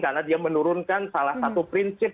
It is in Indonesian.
karena dia menurunkan salah satu prinsip